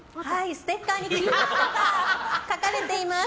ステッカーにキーワードが書かれています。